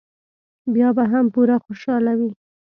بیا به هم پوره خوشاله وي.